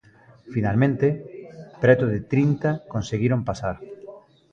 Finalmente, preto de trinta conseguiron pasar.